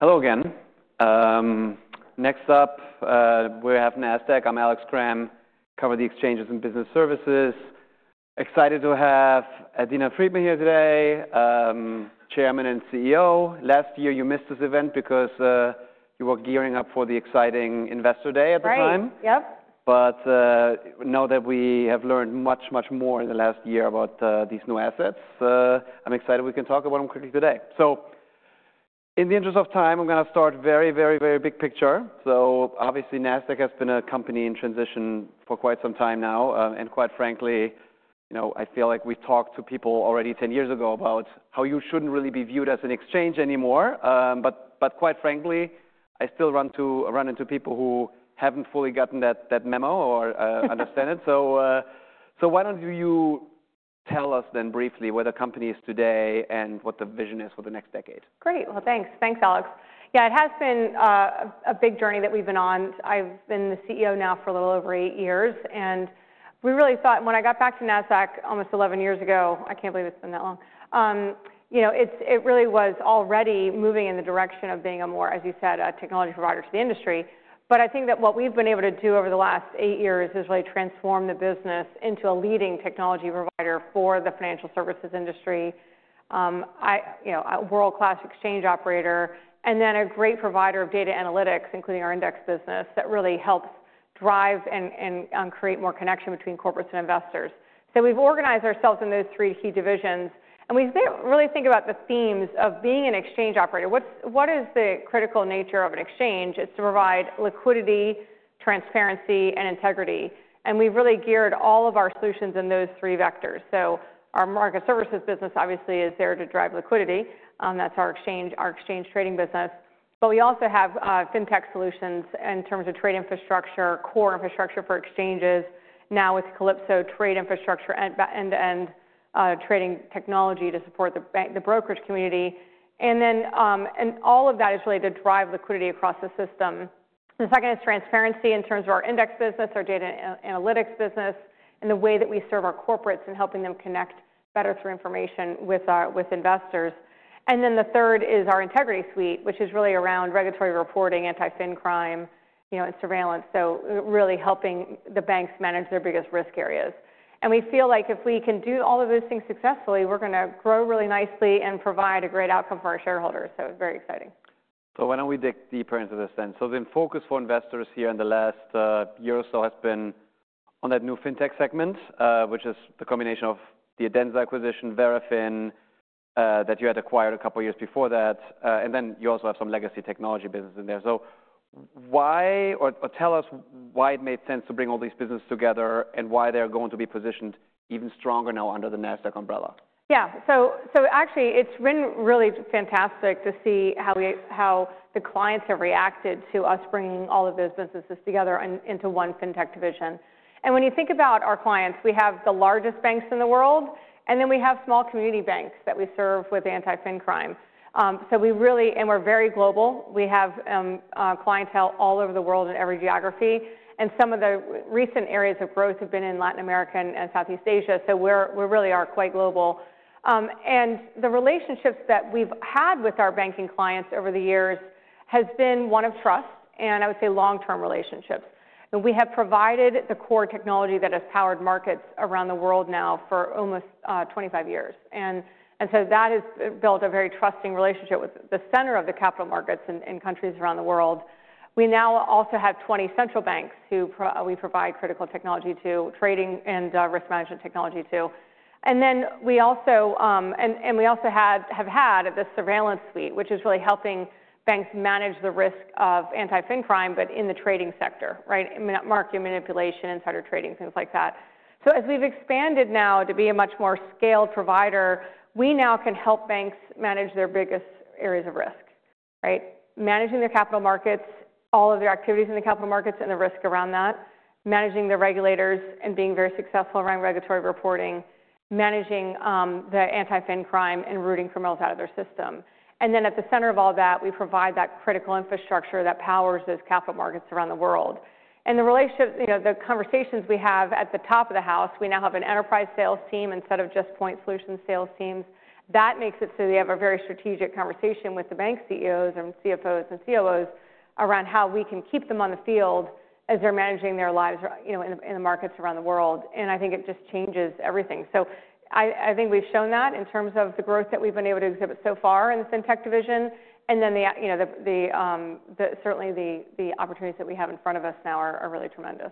Hello again. Next up, we have Nasdaq. I'm Alex Graham, cover the exchanges and business services. Excited to have Adena Friedman here today, Chairman and CEO. Last year you missed this event because you were gearing up for the exciting Investor Day at the time. Right. Yep. But know that we have learned much, much more in the last year about these new assets. I'm excited we can talk about them quickly today. So, in the interest of time, I'm gonna start very, very, very big picture. So, obviously, Nasdaq has been a company in transition for quite some time now, and quite frankly, you know, I feel like we talked to people already 10 years ago about how you shouldn't really be viewed as an exchange anymore, but quite frankly, I still run into people who haven't fully gotten that memo or understand it. So why don't you tell us then briefly what a company is today and what the vision is for the next decade? Great. Well, thanks. Thanks, Alex. Yeah, it has been a big journey that we've been on. I've been the CEO now for a little over eight years, and we really thought when I got back to Nasdaq almost 11 years ago, I can't believe it's been that long. You know, it really was already moving in the direction of being a more, as you said, a technology provider to the industry. But I think that what we've been able to do over the last eight years is really transform the business into a leading technology provider for the financial services industry. I, you know, a world-class exchange operator, and then a great provider of data analytics, including our index business, that really helps drive and create more connection between corporates and investors. So we've organized ourselves in those three key divisions, and we really think about the themes of being an exchange operator. What is the critical nature of an exchange? It's to provide liquidity, transparency, and integrity. And we've really geared all of our solutions in those three vectors. So our Market Services business, obviously, is there to drive liquidity. That's our exchange, our exchange trading business. But we also have FinTech solutions in terms of trade infrastructure, core infrastructure for exchanges, now with Calypso trade infrastructure and end-to-end trading technology to support the bank, the brokerage community. And all of that is really to drive liquidity across the system. The second is transparency in terms of our index business, our data and analytics business, and the way that we serve our corporates in helping them connect better through information with investors. Then the third is our integrity suite, which is really around regulatory reporting, anti-fin crime, you know, and surveillance. Really helping the banks manage their biggest risk areas. We feel like if we can do all of those things successfully, we're gonna grow really nicely and provide a great outcome for our shareholders. It's very exciting. Why don't we dig deeper into this then? The focus for investors here in the last year or so has been on that new FinTech segment, which is the combination of the Adenza acquisition, Verafin that you had acquired a couple of years before that, and then you also have some legacy technology business in there. Why, or tell us why it made sense to bring all these businesses together and why they're going to be positioned even stronger now under the Nasdaq umbrella? Yeah. So actually it's been really fantastic to see how the clients have reacted to us bringing all of those businesses together and into one FinTech division. When you think about our clients, we have the largest banks in the world, and then we have small community banks that we serve with anti-fin crime. We really and we're very global. We have clientele all over the world in every geography. Some of the recent areas of growth have been in Latin America and Southeast Asia. We really are quite global, and the relationships that we've had with our banking clients over the years has been one of trust and I would say long-term relationships. We have provided the core technology that has powered markets around the world now for almost 25 years. And so that has built a very trusting relationship with the center of the capital markets in countries around the world. We now also have 20 central banks who we provide critical technology to trading and risk management technology too. And then we also have had this surveillance suite, which is really helping banks manage the risk of anti-fin crime, but in the trading sector, right? Market manipulation, insider trading, things like that. So as we've expanded now to be a much more scaled provider, we now can help banks manage their biggest areas of risk, right? Managing their capital markets, all of their activities in the capital markets and the risk around that, managing the regulators and being very successful around regulatory reporting, managing the anti-fin crime and rooting criminals out of their system. And then at the center of all that, we provide that critical infrastructure that powers those capital markets around the world. And the relationship, you know, the conversations we have at the top of the house, we now have an enterprise sales team instead of just point solutions sales teams. That makes it so they have a very strategic conversation with the bank CEOs and CFOs and COOs around how we can keep them on the field as they're managing their lives, you know, in the markets around the world. And I think it just changes everything. So I think we've shown that in terms of the growth that we've been able to exhibit so far in the FinTech division. And then, you know, the opportunities that we have in front of us now are certainly really tremendous.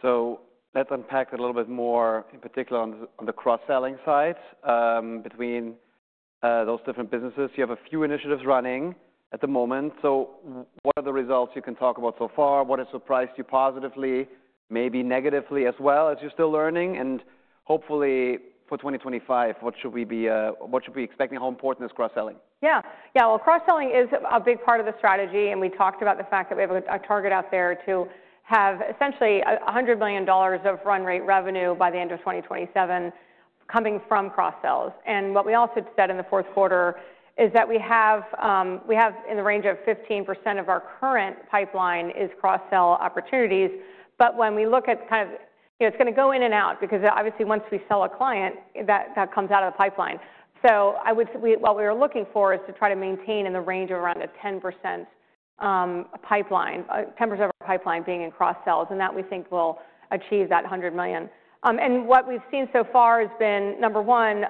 So let's unpack a little bit more, in particular on the cross-selling side between those different businesses. You have a few initiatives running at the moment. So what are the results you can talk about so far? What has surprised you positively, maybe negatively as well as you're still learning? And hopefully for 2025, what should we be, what should we expect and how important is cross-selling? Yeah. Yeah. Well, cross-selling is a big part of the strategy. And we talked about the fact that we have a target out there to have essentially $100 million of run rate revenue by the end of 2027 coming from cross-sells. And what we also said in the fourth quarter is that we have in the range of 15% of our current pipeline is cross-sell opportunities. But when we look at kind of, you know, it's gonna go in and out because obviously once we sell a client, that comes out of the pipeline. So what we are looking for is to try to maintain in the range of around 10% of our pipeline being in cross-sells. And that we think will achieve that $100 million. And what we've seen so far has been number one,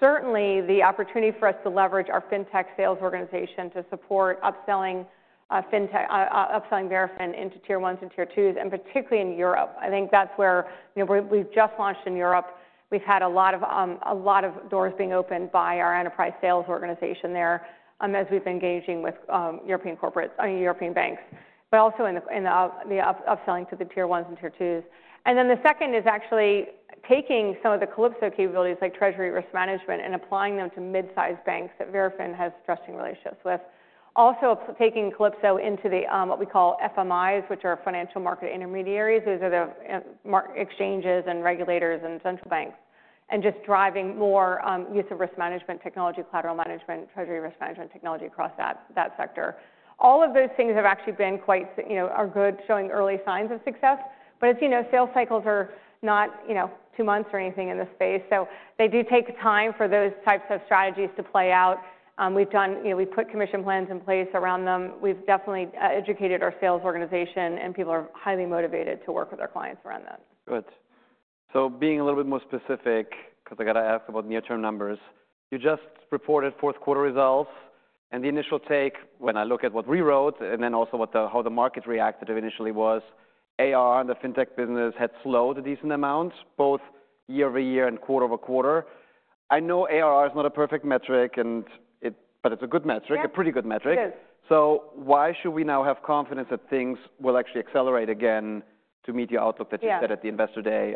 certainly the opportunity for us to leverage our FinTech sales organization to support upselling, FinTech, upselling Verafin into Tier 1s and Tier 2s, and particularly in Europe. I think that's where, you know, we, we've just launched in Europe. We've had a lot of doors being opened by our enterprise sales organization there, as we've been engaging with European corporates, European banks, but also in the upselling to the Tier 1s and Tier 2s. And then the second is actually taking some of the Calypso capabilities like treasury risk management and applying them to mid-sized banks that Verafin has trusting relationships with. Also taking Calypso into the, what we call FMIs, which are financial market intermediaries. Those are the major exchanges and regulators and central banks and just driving more use of risk management technology, collateral management, treasury risk management technology across that sector. All of those things have actually been quite good, you know, showing early signs of success, but it's, you know, sales cycles are not, you know, two months or anything in this space. So they do take time for those types of strategies to play out. We've put commission plans in place around them. We've definitely educated our sales organization and people are highly motivated to work with our clients around that. Good. So being a little bit more specific, 'cause I gotta ask about near-term numbers, you just reported fourth quarter results and the initial take when I look at what we wrote and then also what the, how the market reacted initially was ARR and the FinTech business had slowed a decent amount, both year over year and quarter over quarter. I know ARR is not a perfect metric and it, but it's a good metric, a pretty good metric. It is. So why should we now have confidence that things will actually accelerate again to meet your outlook that you said at the Investor Day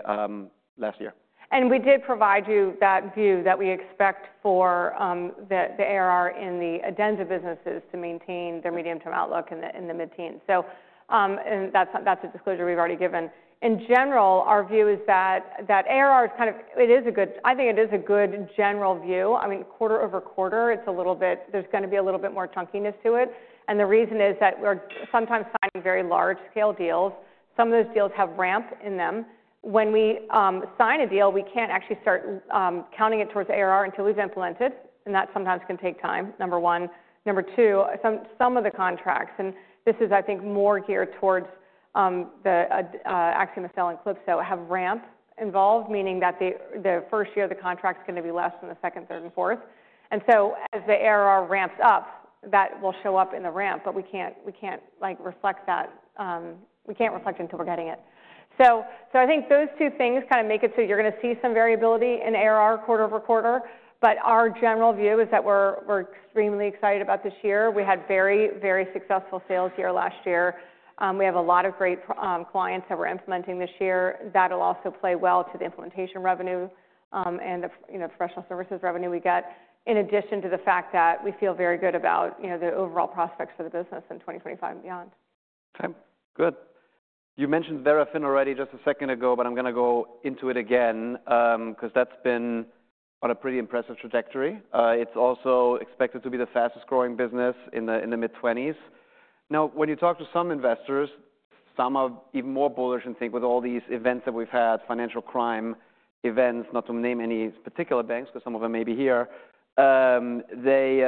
last year? And we did provide you that view that we expect for the ARR in the Adenza businesses to maintain their medium-term outlook in the mid-teens. So, and that's a disclosure we've already given. In general, our view is that ARR is kind of it is a good. I think it is a good general view. I mean, quarter over quarter, it's a little bit. There's gonna be a little bit more chunkiness to it. And the reason is that we're sometimes signing very large-scale deals. Some of those deals have ramp in them. When we sign a deal, we can't actually start counting it towards ARR until we've implemented. And that sometimes can take time, number one. Number two, some of the contracts, and this is, I think, more geared towards the AxiomSL and Calypso have ramp involved, meaning that the first year of the contract's gonna be less than the second, third, and fourth. And so as the ARR ramps up, that will show up in the ramp, but we can't like reflect that until we're getting it. So I think those two things kind of make it so you're gonna see some variability in ARR quarter over quarter. But our general view is that we're extremely excited about this year. We had very successful sales year last year. We have a lot of great clients that we're implementing this year. That'll also play well to the implementation revenue, and the, you know, professional services revenue we get, in addition to the fact that we feel very good about, you know, the overall prospects for the business in 2025 and beyond. Time. Good. You mentioned Verafin already just a second ago, but I'm gonna go into it again, 'cause that's been on a pretty impressive trajectory. It's also expected to be the fastest growing business in the, in the mid-twenties. Now, when you talk to some investors, some are even more bullish and think with all these events that we've had, financial crime events, not to name any particular banks, 'cause some of them may be here, they,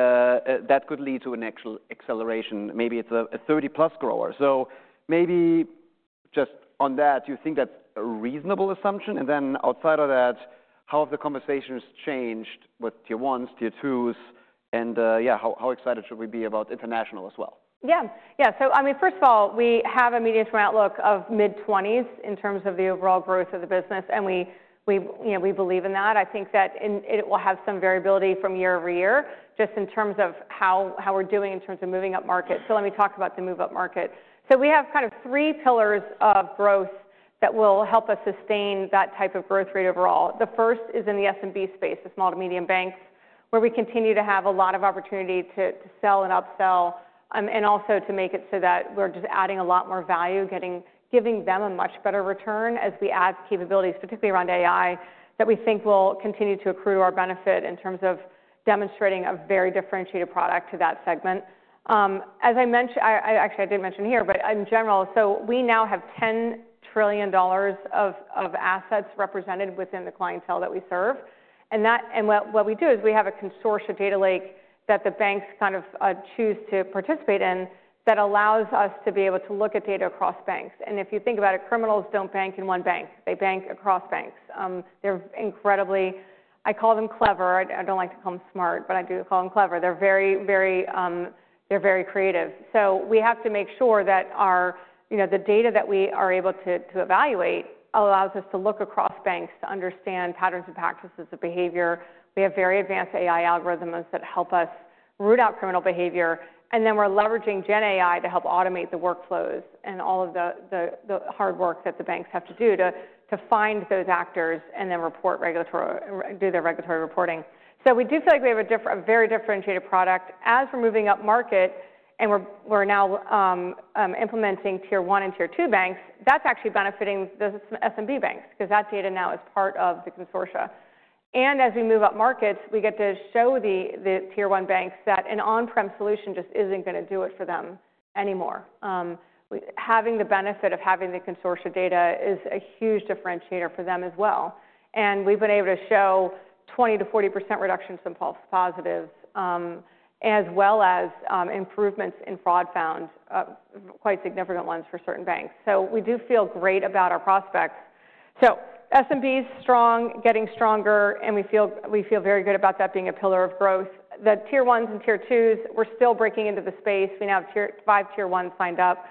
that could lead to an actual acceleration. Maybe it's a, a 30 plus grower. So maybe just on that, you think that's a reasonable assumption. And then outside of that, how have the conversations changed with Tier 1s, Tier 2s, and, yeah, how, how excited should we be about international as well? Yeah. Yeah. So I mean, first of all, we have a medium-term outlook of mid-twenties in terms of the overall growth of the business. And we you know we believe in that. I think that it will have some variability from year over year just in terms of how we're doing in terms of moving up market. So let me talk about the move up market. So we have kind of three pillars of growth that will help us sustain that type of growth rate overall. The first is in the SMB space, the small to medium banks, where we continue to have a lot of opportunity to sell and upsell, and also to make it so that we're just adding a lot more value, giving them a much better return as we add capabilities, particularly around AI that we think will continue to accrue to our benefit in terms of demonstrating a very differentiated product to that segment. As I mentioned, I actually, I didn't mention here, but in general, so we now have $10 trillion of assets represented within the clientele that we serve. And that, what we do is we have a consortium data lake that the banks kind of choose to participate in that allows us to be able to look at data across banks. And if you think about it, criminals don't bank in one bank. They bank across banks. They're incredibly, I call them clever. I don't like to call 'em smart, but I do call 'em clever. They're very creative. So we have to make sure that our, you know, the data that we are able to evaluate allows us to look across banks to understand patterns and practices of behavior. We have very advanced AI algorithms that help us root out criminal behavior. And then we're leveraging Gen AI to help automate the workflows and all of the hard work that the banks have to do to find those actors and then report regulatory, do their regulatory reporting. So we do feel like we have a different, a very differentiated product as we're moving up market and we're now implementing Tier 1 and Tier 2 banks. That's actually benefiting the SMB banks 'cause that data now is part of the consortia. And as we move up markets, we get to show the Tier 1 banks that an on-prem solution just isn't gonna do it for them anymore. We have the benefit of having the consortia data is a huge differentiator for them as well. And we've been able to show 20%-40% reductions in false positives, as well as improvements in fraud found, quite significant ones for certain banks. So we do feel great about our prospects. So SMBs strong, getting stronger, and we feel very good about that being a pillar of growth. The Tier 1s and Tier 2s, we're still breaking into the space. We now have five, Tier 1 signed up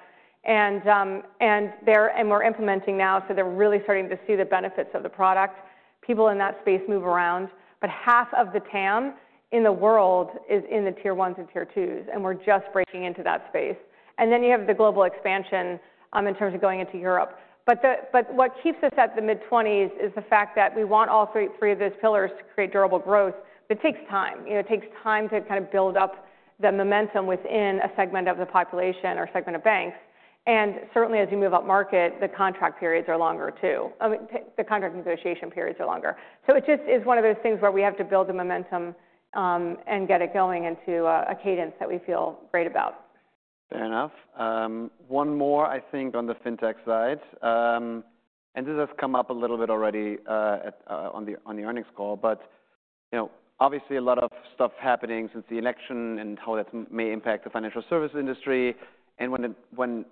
and we're implementing now. So they're really starting to see the benefits of the product. People in that space move around, but half of the TAM in the world is in the Tier 1s and Tier 2s, and we're just breaking into that space. And then you have the global expansion, in terms of going into Europe. But what keeps us at the mid-twenties is the fact that we want all three of those pillars to create durable growth. But it takes time, you know, it takes time to kind of build up the momentum within a segment of the population or segment of banks. And certainly as you move up market, the contract periods are longer too. I mean, the contract negotiation periods are longer, so it just is one of those things where we have to build the momentum, and get it going into a cadence that we feel great about. Fair enough. One more, I think on the FinTech side, and this has come up a little bit already, on the earnings call, but you know, obviously a lot of stuff happening since the election and how that may impact the financial services industry, and when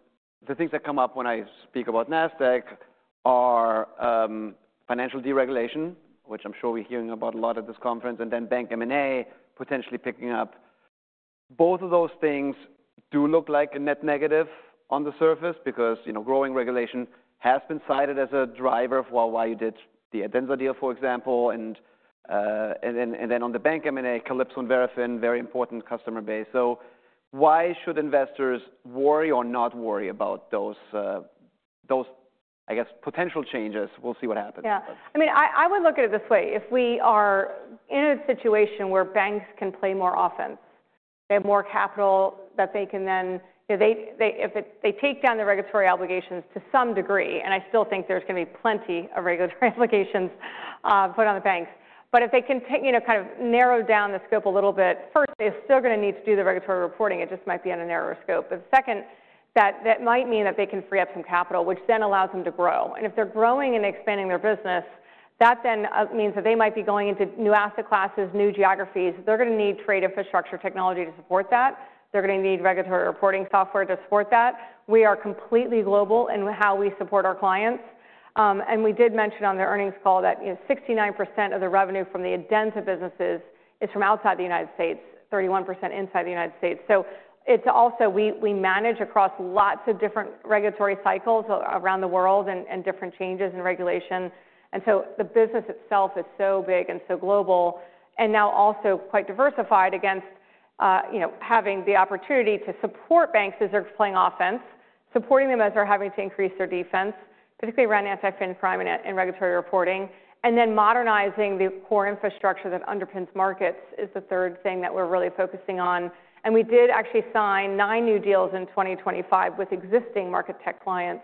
the things that come up when I speak about Nasdaq are financial deregulation, which I'm sure we're hearing about a lot at this conference, and then Bank M&A potentially picking up. Both of those things do look like a net negative on the surface because, you know, growing regulation has been cited as a driver of, well, why you did the Adenza deal, for example, and then on the Bank MA, Calypso and Verafin, very important customer base. So why should investors worry or not worry about those, I guess, potential changes? We'll see what happens. Yeah. I mean, I would look at it this way. If we are in a situation where banks can play more offense, they have more capital that they can then, you know, if they take down the regulatory obligations to some degree, and I still think there's gonna be plenty of regulatory obligations put on the banks. But if they can take, you know, kind of narrow down the scope a little bit, first, they're still gonna need to do the regulatory reporting. It just might be on a narrower scope. But second, that might mean that they can free up some capital, which then allows 'em to grow. And if they're growing and expanding their business, that then means that they might be going into new asset classes, new geographies. They're gonna need trade infrastructure technology to support that. They're gonna need regulatory reporting software to support that. We are completely global in how we support our clients. And we did mention on the earnings call that, you know, 69% of the revenue from the Adenza businesses is from outside the United States, 31% inside the United States. So it's also, we manage across lots of different regulatory cycles around the world and different changes in regulation. And so the business itself is so big and so global and now also quite diversified against, you know, having the opportunity to support banks as they're playing offense, supporting them as they're having to increase their defense, particularly around anti-fin crime and regulatory reporting. And then modernizing the core infrastructure that underpins markets is the third thing that we're really focusing on. We did actually sign nine new deals in 2025 with existing market tech clients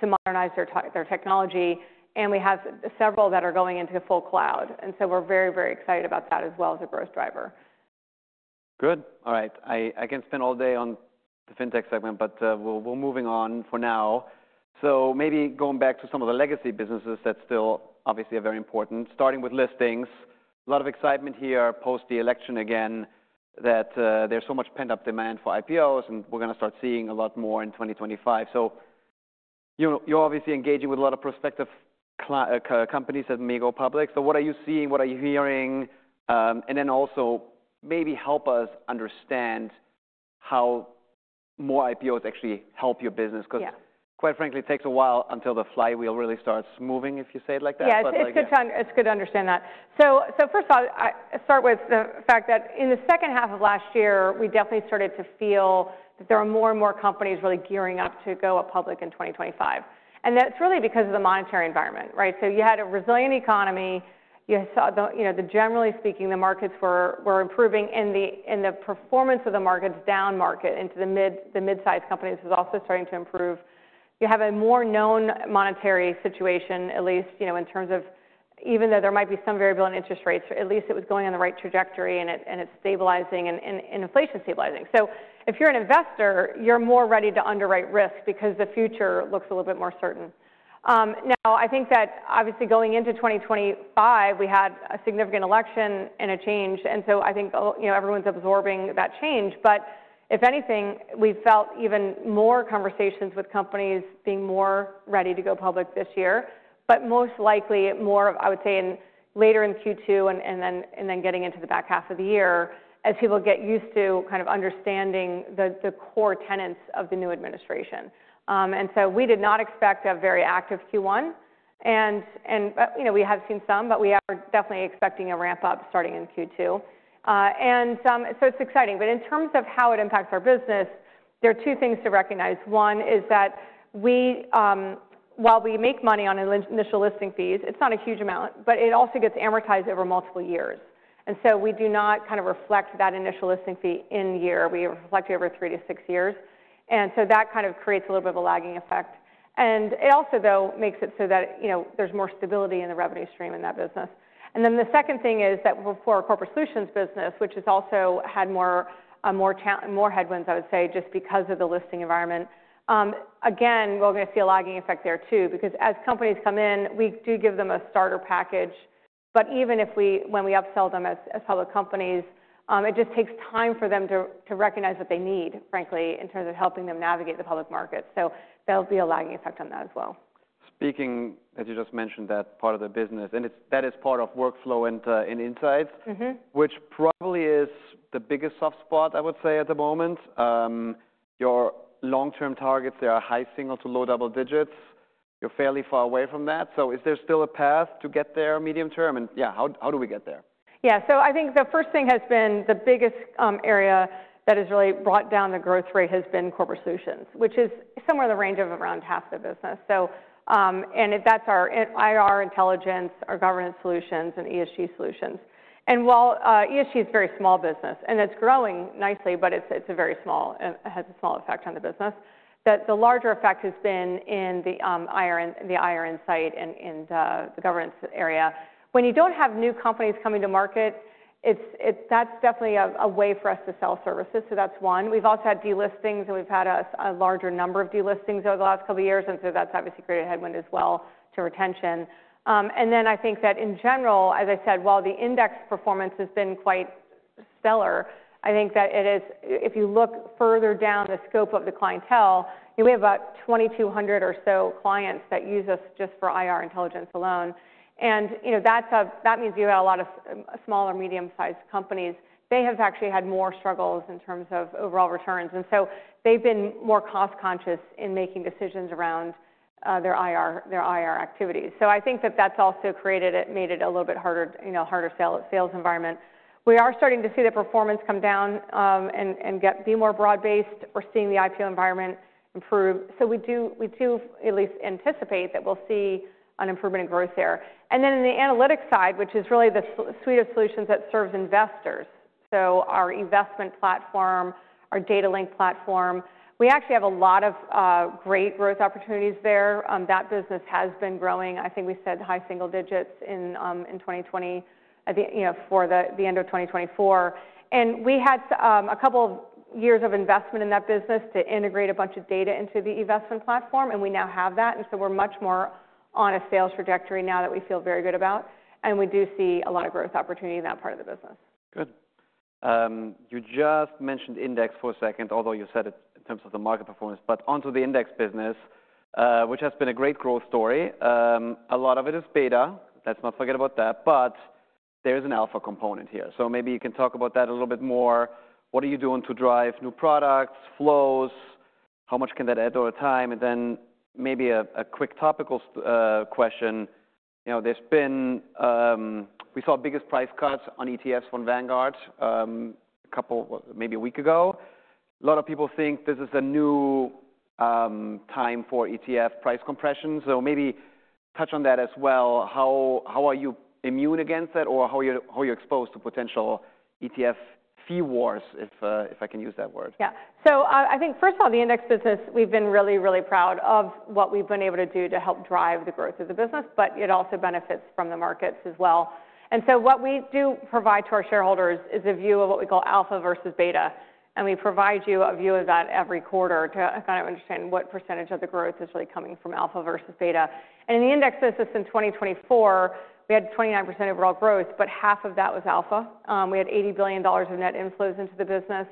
to modernize their technology. We have several that are going into full cloud. So we're very, very excited about that as well as a growth driver. Good. All right. I can spend all day on the FinTech segment, but we're moving on for now. So maybe going back to some of the legacy businesses that still obviously are very important, starting with listings. A lot of excitement here post the election again that there's so much pent-up demand for IPOs and we're gonna start seeing a lot more in 2025. So you're obviously engaging with a lot of prospective client companies that may go public. So what are you seeing? What are you hearing? And then also maybe help us understand how more IPOs actually help your business. 'Cause quite frankly, it takes a while until the flywheel really starts moving, if you say it like that. Yeah. It's a good time. It's good to understand that. So first of all, I start with the fact that in the second half of last year, we definitely started to feel that there are more and more companies really gearing up to go public in 2025. That's really because of the monetary environment, right? So you had a resilient economy. You saw the, you know, generally speaking, the markets were improving in the performance of the markets down market into the mid-sized companies, which was also starting to improve. You have a more known monetary situation, at least, you know, in terms of, even though there might be some variable in interest rates, at least it was going on the right trajectory and it's stabilizing, and inflation stabilizing. So if you're an investor, you're more ready to underwrite risk because the future looks a little bit more certain. Now I think that obviously going into 2025, we had a significant election and a change. And so I think, you know, everyone's absorbing that change. But if anything, we've felt even more conversations with companies being more ready to go public this year, but most likely more of, I would say, later in Q2 and then getting into the back half of the year as people get used to kind of understanding the core tenets of the new administration. And so we did not expect a very active Q1. And but, you know, we have seen some, but we are definitely expecting a ramp up starting in Q2. And so it's exciting. But in terms of how it impacts our business, there are two things to recognize. One is that we, while we make money on initial listing fees, it's not a huge amount, but it also gets amortized over multiple years. And so we do not kind of reflect that initial listing fee in year. We reflect over three to six years. And so that kind of creates a little bit of a lagging effect. And it also, though, makes it so that, you know, there's more stability in the revenue stream in that business. And then the second thing is that for our Corporate Solutions business, which has also had more headwinds, I would say, just because of the listing environment. Again, we're gonna see a lagging effect there too, because as companies come in, we do give them a starter package. But even if we, when we upsell them as public companies, it just takes time for them to recognize what they need, frankly, in terms of helping them navigate the public market. So there'll be a lagging effect on that as well. Speaking, as you just mentioned, that part of the business, and it's that is part of Workflow and Insights. Mm-hmm. Which probably is the biggest soft spot, I would say, at the moment. Your long-term targets, there are high single- to low double-digit. You're fairly far away from that. So is there still a path to get there medium term? And yeah, how, how do we get there? Yeah, so I think the first thing has been the biggest area that has really brought down the growth rate has been Corporate Solutions, which is somewhere in the range of around half the business, and that's our IR Insight, our Governance Solutions, and ESG Solutions. And while ESG is a very small business and it's growing nicely, but it's a very small, has a small effect on the business. That the larger effect has been in the IR and the IR Insight and the governance area. When you don't have new companies coming to market, it that's definitely a way for us to sell services, so that's one. We've also had delistings and we've had a larger number of delistings over the last couple of years, so that's obviously created a headwind as well to retention. And then I think that in general, as I said, while the index performance has been quite stellar, I think that it is if you look further down the scope of the clientele, you know, we have about 2,200 or so clients that use us just for IR Intelligence alone. And, you know, that means you have a lot of small or medium-sized companies. They have actually had more struggles in terms of overall returns. And so they've been more cost-conscious in making decisions around their IR activities. So I think that that's also created it, made it a little bit harder, you know, harder sales environment. We are starting to see the performance come down and be more broad-based. We're seeing the IPO environment improve. So we do at least anticipate that we'll see an improvement in growth there. And then in the analytics side, which is really the suite of solutions that serves investors. So our investment platform, our Data Link platform, we actually have a lot of great growth opportunities there. That business has been growing. I think we said high single digits in 2020 at the, you know, for the end of 2024. And we had a couple of years of investment in that business to integrate a bunch of data into the investment platform, and we now have that. And so we're much more on a sales trajectory now that we feel very good about. And we do see a lot of growth opportunity in that part of the business. Good. You just mentioned index for a second, although you said it in terms of the market performance, but onto the index business, which has been a great growth story. A lot of it is beta. Let's not forget about that. But there is an alpha component here. So maybe you can talk about that a little bit more. What are you doing to drive new products, flows? How much can that add over time? And then maybe a quick topical question. You know, there's been. We saw biggest price cuts on ETFs from Vanguard, a couple of, maybe a week ago. A lot of people think this is a new time for ETF price compression. So maybe touch on that as well. How are you immune against that or how are you exposed to potential ETF fee wars? If I can use that word. Yeah. So, I think first of all, the index business, we've been really, really proud of what we've been able to do to help drive the growth of the business, but it also benefits from the markets as well. And so what we do provide to our shareholders is a view of what we call alpha versus beta. And we provide you a view of that every quarter to kind of understand what percentage of the growth is really coming from alpha versus beta. And in the index business in 2024, we had 29% overall growth, but half of that was alpha. We had $80 billion of net inflows into the business.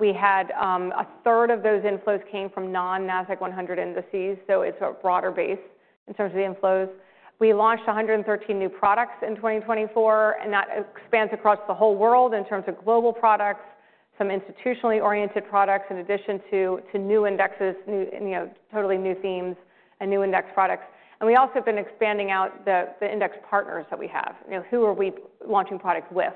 We had a third of those inflows came from non-Nasdaq 100 indices. So it's a broader base in terms of the inflows. We launched 113 new products in 2024, and that expands across the whole world in terms of global products, some institutionally oriented products in addition to new indices, new, you know, totally new themes and new index products. We also have been expanding the index partners that we have, you know, who are we launching products with?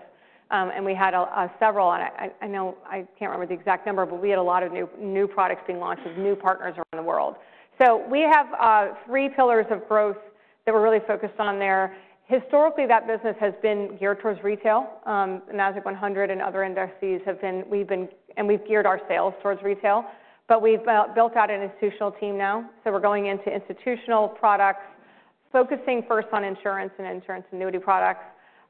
And we had several on it. I know I can't remember the exact number, but we had a lot of new products being launched with new partners around the world. So we have three pillars of growth that we're really focused on there. Historically, that business has been geared towards retail. The Nasdaq 100 and other indices have been. We've been, and we've geared our sales towards retail, but we've built out an institutional team now. So we're going into institutional products, focusing first on insurance and insurance annuity products.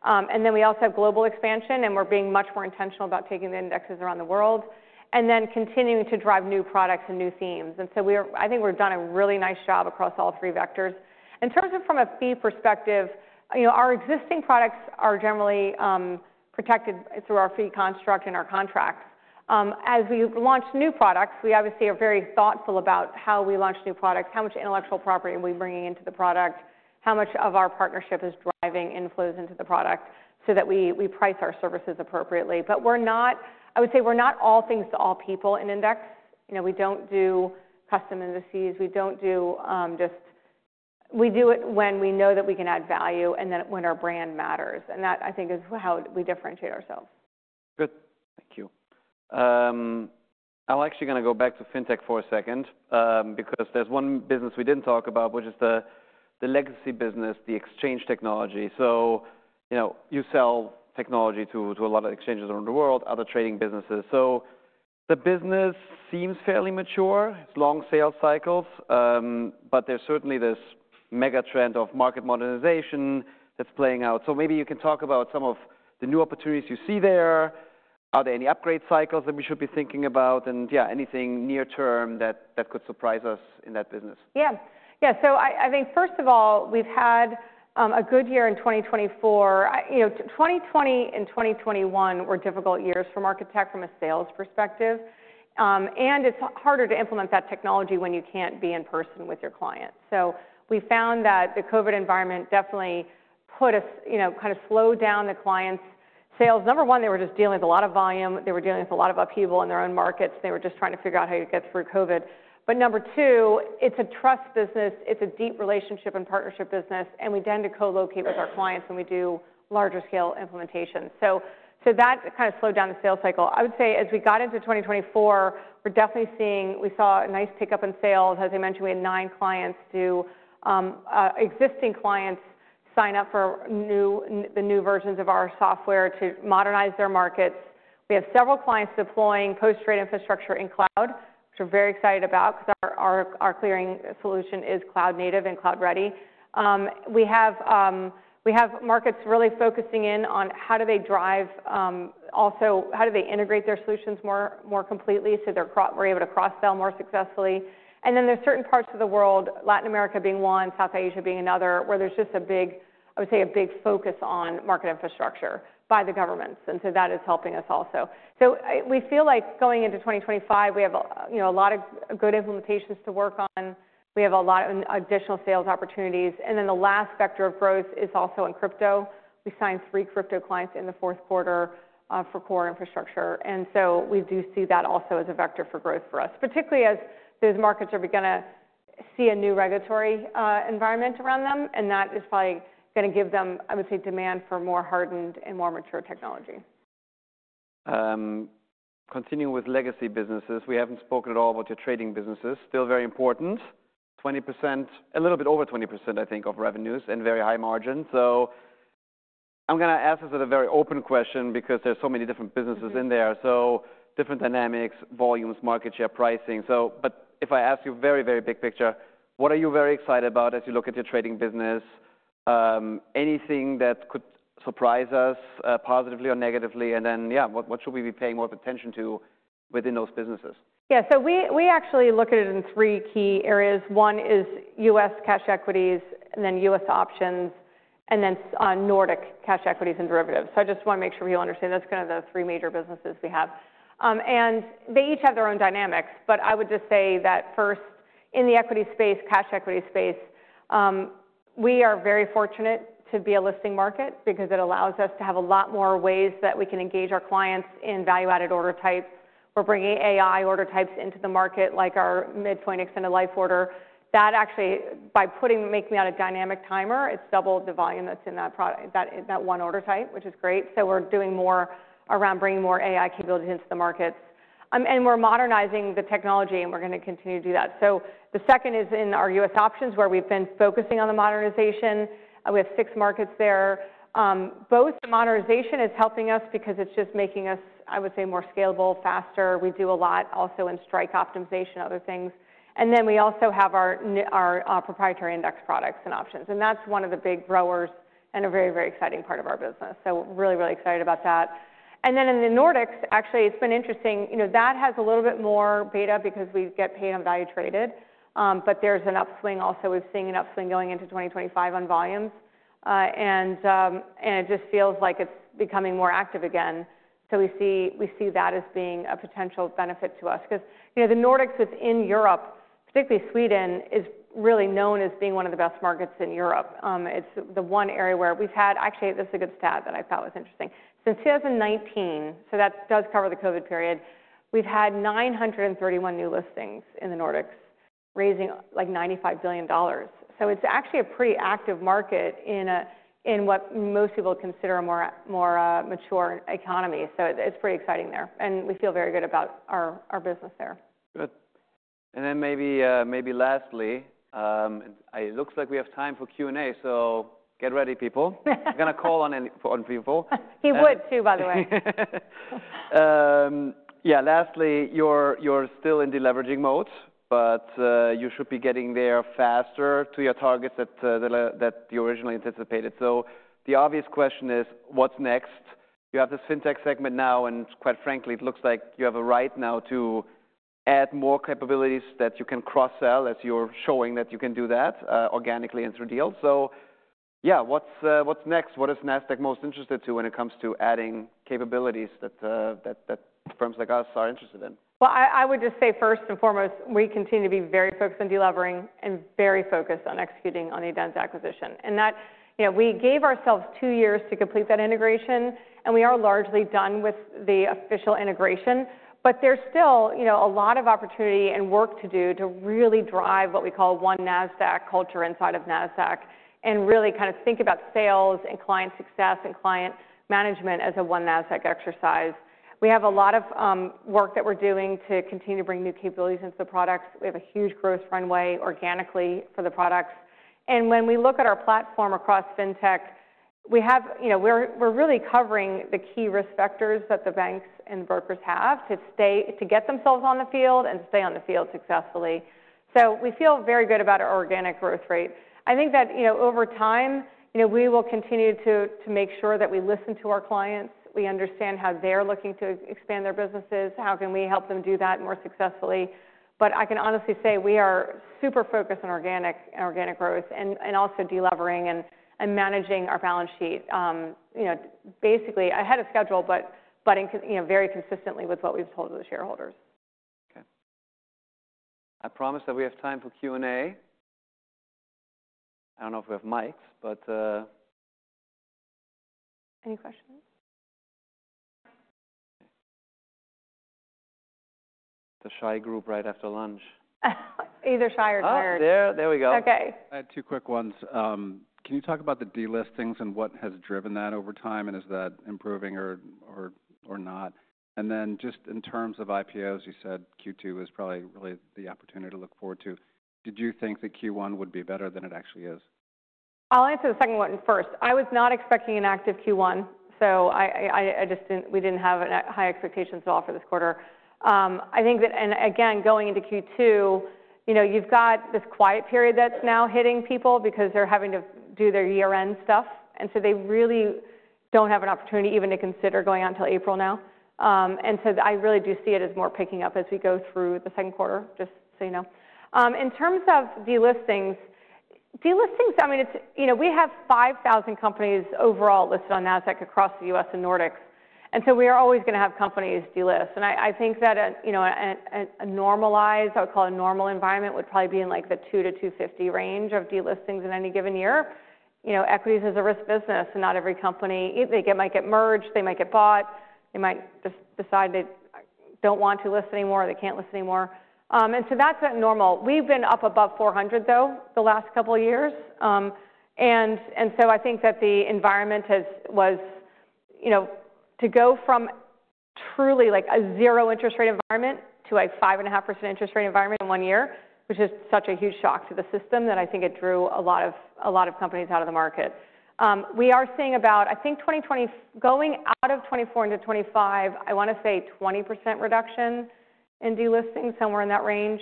And then we also have global expansion, and we're being much more intentional about taking the indexes around the world and then continuing to drive new products and new themes. And so we are. I think we've done a really nice job across all three vectors. In terms of from a fee perspective, you know, our existing products are generally protected through our fee construct and our contracts. As we launch new products, we obviously are very thoughtful about how we launch new products, how much intellectual property are we bringing into the product, how much of our partnership is driving inflows into the product so that we price our services appropriately. But we're not. I would say we're not all things to all people in index. You know, we don't do custom indices. We don't do it when we know that we can add value and then when our brand matters. And that, I think, is how we differentiate ourselves. Good. Thank you. I'm actually gonna go back to FinTech for a second, because there's one business we didn't talk about, which is the, the legacy business, the exchange technology. So, you know, you sell technology to, to a lot of exchanges around the world, other trading businesses. So the business seems fairly mature. It's long sales cycles. But there's certainly this mega trend of market modernization that's playing out. So maybe you can talk about some of the new opportunities you see there. Are there any upgrade cycles that we should be thinking about? And yeah, anything near term that, that could surprise us in that business? Yeah. So I think first of all, we've had a good year in 2024. You know, 2020 and 2021 were difficult years for market tech from a sales perspective, and it's harder to implement that technology when you can't be in person with your clients. So we found that the COVID environment definitely, you know, kind of slowed down the clients' sales. Number one, they were just dealing with a lot of volume. They were dealing with a lot of upheaval in their own markets. They were just trying to figure out how you get through COVID, but number two, it's a trust business. It's a deep relationship and partnership business, and we tend to co-locate with our clients when we do larger scale implementations. So that kind of slowed down the sales cycle. I would say as we got into 2024, we're definitely seeing, we saw a nice pickup in sales. As I mentioned, we had nine clients do, existing clients sign up for new, the new versions of our software to modernize their markets. We have several clients deploying post-trade infrastructure in cloud, which we're very excited about 'cause our clearing solution is cloud native and cloud ready. We have markets really focusing in on how do they drive, also how do they integrate their solutions more completely so they're cross, we're able to cross-sell more successfully. And then there's certain parts of the world, Latin America being one, South Asia being another, where there's just a big, I would say a big focus on market infrastructure by the governments. And so that is helping us also. So we feel like going into 2025, we have, you know, a lot of good implementations to work on. We have a lot of additional sales opportunities. And then the last vector of growth is also in crypto. We signed three crypto clients in the fourth quarter, for core infrastructure. And so we do see that also as a vector for growth for us, particularly as those markets are gonna see a new regulatory environment around them. And that is probably gonna give them, I would say, demand for more hardened and more mature technology. Continuing with legacy businesses, we haven't spoken at all about your trading businesses. Still very important. 20%, a little bit over 20%, I think, of revenues and very high margin. So I'm gonna ask this as a very open question because there's so many different businesses in there. So different dynamics, volumes, market share, pricing. So, but if I ask you very, very big picture, what are you very excited about as you look at your trading business? Anything that could surprise us, positively or negatively? And then, yeah, what, what should we be paying more attention to within those businesses? Yeah. So we actually look at it in three key areas. One is U.S. cash equities, and then U.S. options, and then Nordic cash equities and derivatives. So I just wanna make sure people understand that's kind of the three major businesses we have, and they each have their own dynamics, but I would just say that first in the equity space, cash equity space, we are very fortunate to be a listing market because it allows us to have a lot more ways that we can engage our clients in value-added order types. We're bringing AI order types into the market, like our Midpoint Extended Life Order. That actually, by putting it on a dynamic timer, it's doubled the volume that's in that product, that one order type, which is great. So we're doing more around bringing more AI capabilities into the markets. And we're modernizing the technology and we're gonna continue to do that. So the second is in our U.S. options where we've been focusing on the modernization. We have six markets there. Both the modernization is helping us because it's just making us, I would say, more scalable, faster. We do a lot also in strike optimization, other things. And then we also have our, our, proprietary index products and options. And that's one of the big growers and a very, very exciting part of our business. So really, really excited about that. And then in the Nordics, actually, it's been interesting, you know, that has a little bit more beta because we get paid on value traded. But there's an upswing also. We've seen an upswing going into 2025 on volumes. And it just feels like it's becoming more active again. So we see that as being a potential benefit to us. 'Cause, you know, the Nordics within Europe, particularly Sweden, is really known as being one of the best markets in Europe. It's the one area where we've had, actually, this is a good stat that I thought was interesting. Since 2019, so that does cover the COVID period, we've had 931 new listings in the Nordics, raising like $95 billion. So it's actually a pretty active market in what most people consider a more mature economy. So it's pretty exciting there, and we feel very good about our business there. Good. And then maybe, maybe lastly, it looks like we have time for Q and A. So get ready, people. I'm gonna call on any, on people. He would too, by the way. Yeah. Lastly, you're still in the leveraging mode, but you should be getting there faster to your targets that you originally anticipated. So the obvious question is, what's next? You have this fintech segment now, and quite frankly, it looks like you have a runway now to add more capabilities that you can cross-sell as you are showing that you can do that, organically and through deals. So yeah, what's next? What is Nasdaq most interested in when it comes to adding capabilities that firms like us are interested in? Well, I would just say first and foremost, we continue to be very focused on delivering and very focused on executing on the Adenza acquisition. And that, you know, we gave ourselves two years to complete that integration, and we are largely done with the official integration. But there's still, you know, a lot of opportunity and work to do to really drive what we call one Nasdaq culture inside of Nasdaq and really kind of think about sales and client success and client management as a one Nasdaq exercise. We have a lot of work that we're doing to continue to bring new capabilities into the products. We have a huge growth runway organically for the products. When we look at our platform across fintech, we have, you know, we're really covering the key risk vectors that the banks and the brokers have to stay, to get themselves on the field and stay on the field successfully. So we feel very good about our organic growth rate. I think that, you know, over time, you know, we will continue to make sure that we listen to our clients. We understand how they're looking to expand their businesses. How can we help them do that more successfully? But I can honestly say we are super focused on organic growth and also delivering and managing our balance sheet, you know, basically ahead of schedule, but in, you know, very consistently with what we've told the shareholders. Okay. I promise that we have time for Q and A. I don't know if we have mics, but, Any questions? The shy group right after lunch. Either shy or tired. Oh, there, there we go. Okay. I had two quick ones. Can you talk about the delistings and what has driven that over time? And is that improving or not? And then just in terms of IPOs, you said Q2 is probably really the opportunity to look forward to. Did you think that Q1 would be better than it actually is? I'll answer the second one first. I was not expecting an active Q1. So I just didn't. We didn't have high expectations at all for this quarter. I think that, and again, going into Q2, you know, you've got this quiet period that's now hitting people because they're having to do their year-end stuff. And so they really don't have an opportunity even to consider going out until April now, and so I really do see it as more picking up as we go through the second quarter, just so you know. In terms of delistings, I mean, it's, you know, we have 5,000 companies overall listed on Nasdaq across the U.S. and Nordics. And so we are always gonna have companies delist. I think that, you know, a normalized (I would call it a normal) environment would probably be in like the two to 250 range of delistings in any given year. You know, equities is a risk business and not every company, they might get merged, they might get bought, they might just decide they don't want to list anymore or they can't list anymore. So that's a normal. We've been up above 400 though the last couple of years. So I think that the environment, you know, to go from truly like a 0% interest rate environment to a 5.5% interest rate environment in one year, which is such a huge shock to the system that I think it drew a lot of companies out of the market. We are seeing about, I think 20 or so, going out of 2024 into 2025, I wanna say 20% reduction in delistings, somewhere in that range,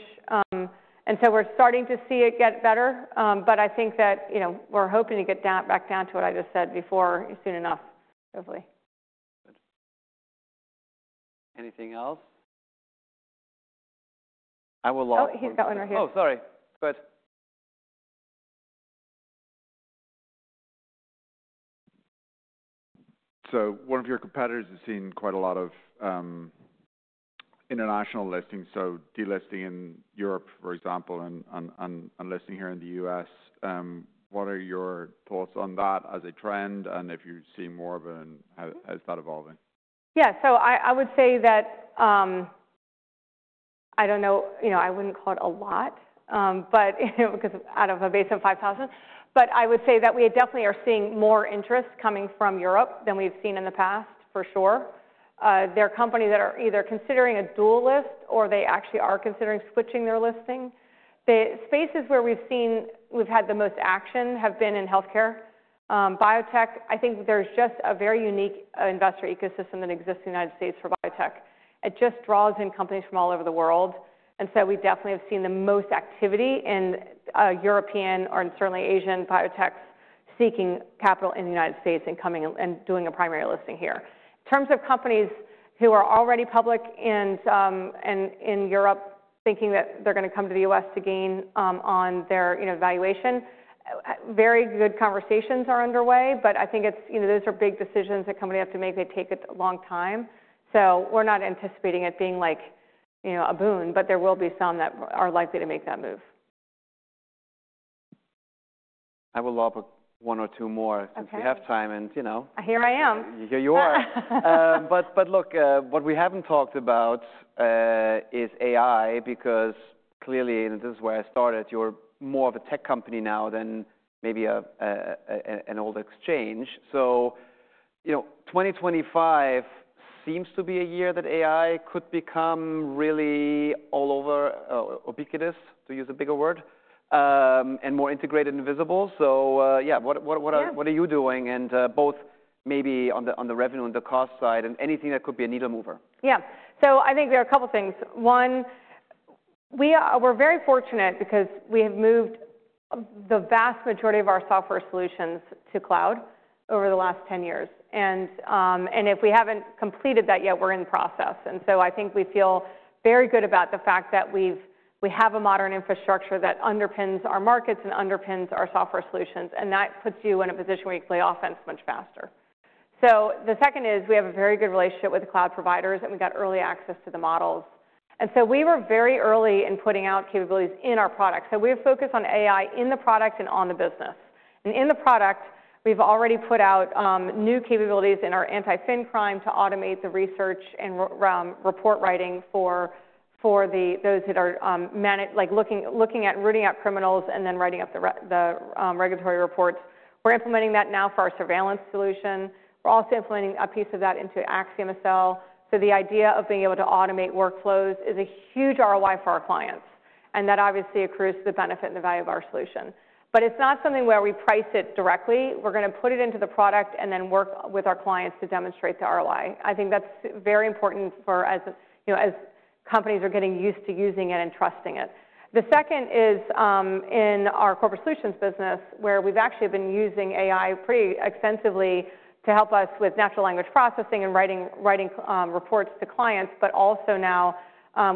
and so we're starting to see it get better, but I think that, you know, we're hoping to get down back down to what I just said before, soon enough, hopefully. Good. Anything else? I will log that. Oh, he's got one right here. Oh, sorry. Good. So one of your competitors has seen quite a lot of international listings. So delisting in Europe, for example, and listing here in the US. What are your thoughts on that as a trend? And if you see more of an, how's that evolving? Yeah. So I, I would say that, I don't know, you know, I wouldn't call it a lot, but, you know, 'cause out of a base of 5,000, but I would say that we definitely are seeing more interest coming from Europe than we've seen in the past, for sure. There are companies that are either considering a dual list or they actually are considering switching their listing. The spaces where we've seen, we've had the most action have been in healthcare. Biotech, I think there's just a very unique investor ecosystem that exists in the United States for biotech. It just draws in companies from all over the world. And so we definitely have seen the most activity in, European or in certainly Asian biotechs seeking capital in the United States and coming and doing a primary listing here. In terms of companies who are already public and in Europe thinking that they're gonna come to the US to gain on their, you know, valuation, very good conversations are underway. But I think it's, you know, those are big decisions that companies have to make. They take a long time. So we're not anticipating it being like, you know, a boon, but there will be some that are likely to make that move. I will log one or two more since we have time and, you know. Here I am. Here you are, but look, what we haven't talked about is AI because clearly, and this is where I started, you are more of a tech company now than maybe an old exchange, so you know, 2025 seems to be a year that AI could become really all over, ubiquitous, to use a bigger word, and more integrated and visible, so yeah, what are you doing, and both maybe on the revenue and the cost side and anything that could be a needle mover. Yeah. So I think there are a couple of things. One, we are, we're very fortunate because we have moved the vast majority of our software solutions to cloud over the last 10 years. And, and if we haven't completed that yet, we're in the process. And so I think we feel very good about the fact that we've, we have a modern infrastructure that underpins our markets and underpins our software solutions. And that puts you in a position where you play offense much faster. So the second is we have a very good relationship with the cloud providers and we got early access to the models. And so we were very early in putting out capabilities in our product. So we have focused on AI in the product and on the business. And in the product, we've already put out new capabilities in our anti-fin crime to automate the research and report writing for those that are managed, like looking at rooting out criminals and then writing up the regulatory reports. We're implementing that now for our surveillance solution. We're also implementing a piece of that into AxiomSL. So the idea of being able to automate workflows is a huge ROI for our clients. And that obviously accrues the benefit and the value of our solution. But it's not something where we price it directly. We're gonna put it into the product and then work with our clients to demonstrate the ROI. I think that's very important, you know, as companies are getting used to using it and trusting it. The second is, in our Corporate Solutions business where we've actually been using AI pretty extensively to help us with natural language processing and writing reports to clients. But also now,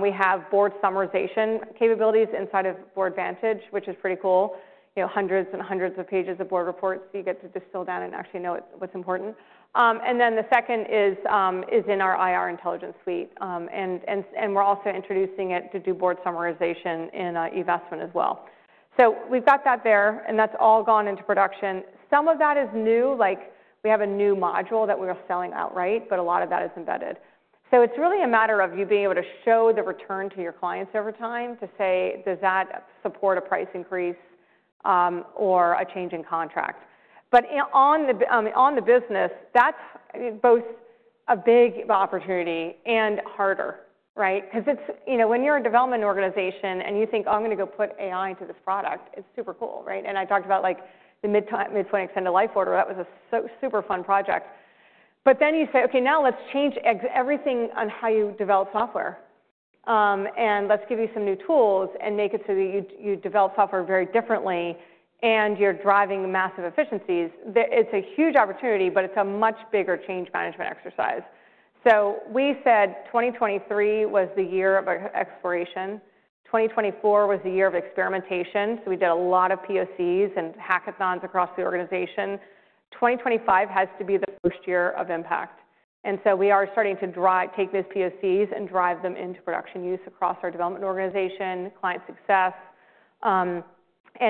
we have board summarization capabilities inside of Boardvantage, which is pretty cool. You know, hundreds and hundreds of pages of board reports you get to distill down and actually know what's important. And then the second is in our IR intelligence suite. And we're also introducing it to do board summarization in eVestment as well. So we've got that there and that's all gone into production. Some of that is new, like we have a new module that we are selling outright, but a lot of that is embedded. So it's really a matter of you being able to show the return to your clients over time to say, does that support a price increase, or a change in contract? But on the, on the business, that's both a big opportunity and harder, right? 'Cause it's, you know, when you're a development organization and you think, oh, I'm gonna go put AI into this product, it's super cool, right? And I talked about like the Midpoint Extended Life Order. That was a so super fun project. But then you say, okay, now let's change everything on how you develop software, and let's give you some new tools and make it so that you, you develop software very differently and you're driving massive efficiencies. It's a huge opportunity, but it's a much bigger change management exercise. So we said 2023 was the year of exploration. 2024 was the year of experimentation. So we did a lot of POCs and hackathons across the organization. 2025 has to be the first year of impact. And so we are starting to drive, take those POCs and drive them into production use across our development organization, client success, and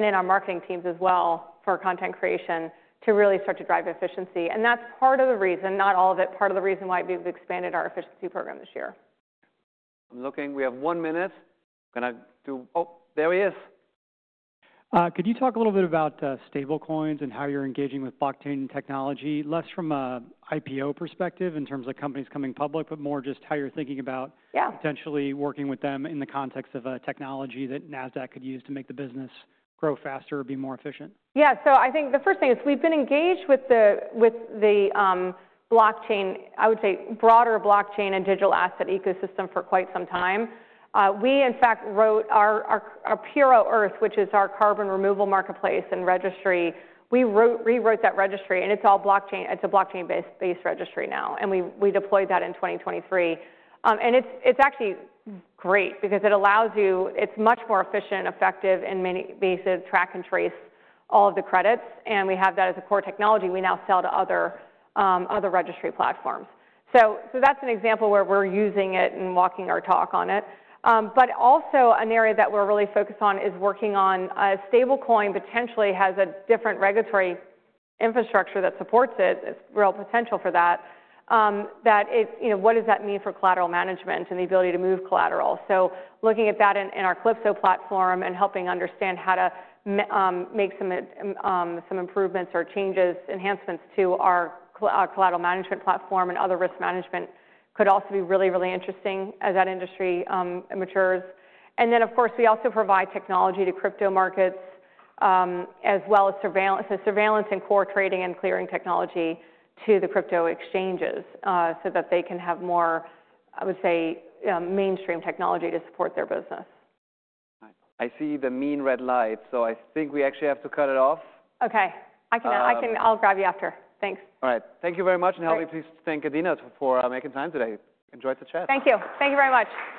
in our marketing teams as well for content creation to really start to drive efficiency. And that's part of the reason, not all of it, part of the reason why we've expanded our efficiency program this year. I'm looking, we have one minute. Gonna do, oh, there he is. Could you talk a little bit about stablecoins and how you're engaging with blockchain technology, less from an IPO perspective in terms of companies coming public, but more just how you're thinking about. Yeah. Potentially working with them in the context of a technology that Nasdaq could use to make the business grow faster, be more efficient? Yeah. So I think the first thing is we've been engaged with the blockchain. I would say broader blockchain and digital asset ecosystem for quite some time. We in fact rewrote our Puro.earth, which is our carbon removal marketplace and registry. We rewrote that registry and it's all blockchain. It's a blockchain-based registry now. And we deployed that in 2023. And it's actually great because it allows you. It's much more efficient and effective in many bases to track and trace all of the credits. And we have that as a core technology. We now sell to other registry platforms. So that's an example where we're using it and walking our talk on it. But also an area that we're really focused on is working on a stablecoin potentially has a different regulatory infrastructure that supports it. It's real potential for that. That it, you know, what does that mean for collateral management and the ability to move collateral? So looking at that in our Calypso platform and helping understand how to make some improvements or changes, enhancements to our collateral management platform and other risk management could also be really interesting as that industry matures. And then of course we also provide technology to crypto markets, as well as surveillance and core trading and clearing technology to the crypto exchanges, so that they can have more, I would say, mainstream technology to support their business. I see the main red light. So I think we actually have to cut it off. Okay. I can, I'll grab you after. Thanks. All right. Thank you very much. And help me, please thank Adena for making time today. Enjoyed the chat. Thank you. Thank you very much.